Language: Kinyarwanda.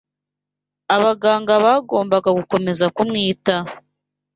abaganga bagombaga gukomeza kumwitaho